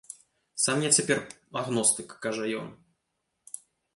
Сам я цяпер агностык, кажа ён.